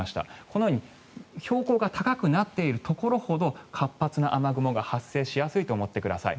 このように標高が高くなっているところほど活発な雨雲が発生しやすいと思ってください。